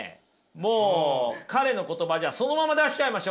もう彼の言葉そのまま出しちゃいましょう。